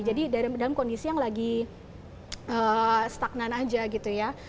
jadi dalam kondisi yang lagi stagnan aja gitu ya